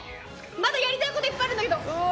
まだやりたい事いっぱいあるんだけど。